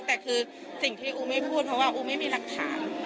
แต่คือสิ่งที่อูไม่พูดเพราะว่าอูไม่มีหลักฐาน